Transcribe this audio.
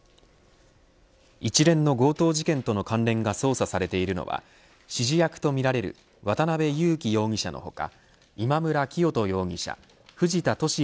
一連の強盗事件との関連が捜査されているのは指示役とみられる渡辺優樹容疑者の他今村磨人容疑者藤田聖也